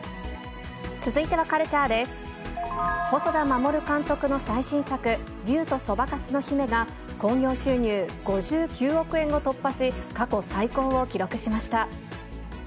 細田守監督の最新作、竜とそばかすの姫が、興行収入５９億円を突破し、過去最高を記録しました。